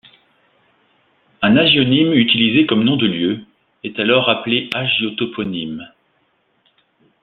Un hagionyme utilisé comme nom de lieu, est alors appelé hagiotoponyme.